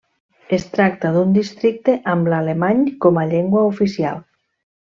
Es tracta d'un districte amb l'alemany com a llengua oficial.